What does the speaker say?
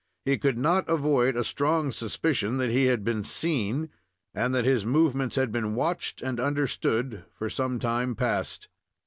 He could not avoid a strong suspicion that he had been seen, and that his movements had been watched and understood for some time past.